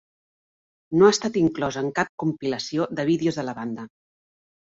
No ha estat inclòs en cap compilació de vídeos de la banda.